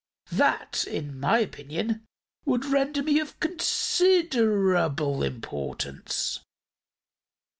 That, in my opinion, would render me of considerable importance."